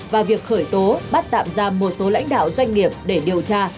và việc khởi tố bắt tạm ra một số lãnh đạo doanh nghiệp để điều tra